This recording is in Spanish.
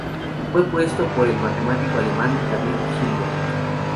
Fue propuesto por el matemático alemán David Hilbert.